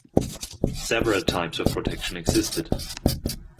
Several types of protection existed.